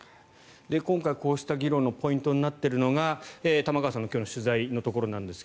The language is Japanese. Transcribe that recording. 今回、こうした議論のポイントになっているのが玉川さんの今日の取材のところなんですが